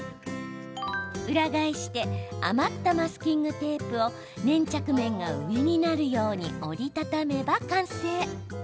裏返して、余ったマスキングテープを粘着面が上になるように折り畳めば完成。